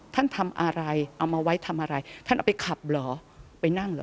ท่านทำอะไรเอามาไว้ทำอะไรท่านเอาไปขับเหรอไปนั่งเหรอ